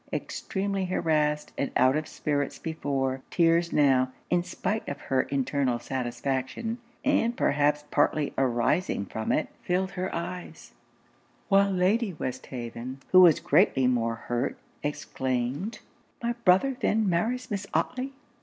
Extremely harrassed and out of spirits before, tears now, in spite of her internal satisfaction, and perhaps partly arising from it, filled her eyes; while Lady Westhaven, who was greatly more hurt, exclaimed 'My brother then marries Miss Otley!